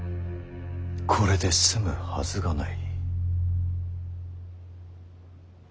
これで済むはずがない。